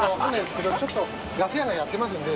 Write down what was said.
ちょっとガス屋がやってますので。